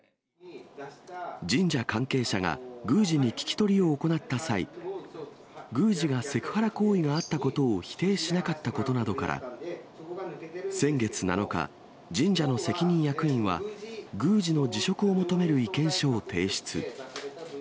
神社関係者が宮司に聞き取りを行った際、宮司がセクハラ行為があったことを否定しなかったことなどから、先月７日、神社の責任役員は、宮司の辞職を求める意見書を提出。